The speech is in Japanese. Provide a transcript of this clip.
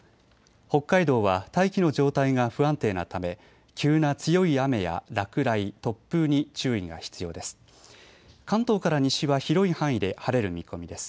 北海道は大気の状態が不安定なため、急な強い雨や落雷、突風に注意が必要です。